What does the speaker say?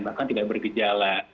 bahkan tidak bergejala